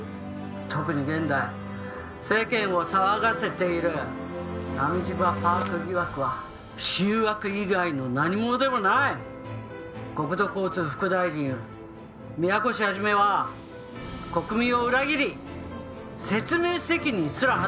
「特に現在世間を騒がせている波島パーク疑惑は醜悪以外の何ものでもない！」「国土交通副大臣宮越肇は国民を裏切り説明責任すら果たしていない」